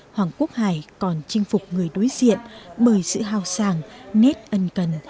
hoàng quốc hải còn chinh phục người đối diện bởi sự hào sàng nét ân cần